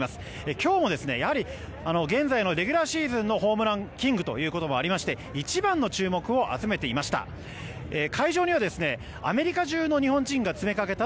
今日もやはり現在のレギュラーシーズンのホームランキングということもありまして一番の注目を集めていました。